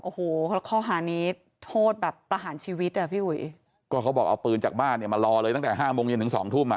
โอ้โหข้อหานี้โทษแบบประหารชีวิตอ่ะพี่อุ๋ยก็เขาบอกเอาปืนจากบ้านเนี่ยมารอเลยตั้งแต่ห้าโมงเย็นถึงสองทุ่มอ่ะ